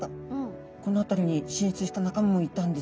この辺りに進出した仲間もいたんですね。